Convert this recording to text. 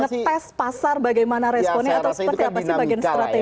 ngetes pasar bagaimana responnya atau seperti apa sih bagian strategi